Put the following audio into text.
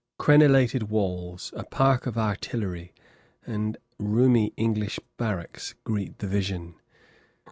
Crenellated walls, a park of artillery, and roomy English barracks greet the vision.